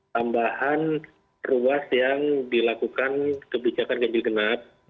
tambahan ruas yang dilakukan kebijakan ganjil genap